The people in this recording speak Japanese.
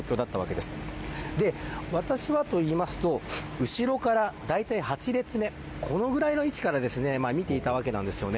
で、私はと言いますと後ろからだいたい８例目このぐらいの位置から見ていたわけなんですよね。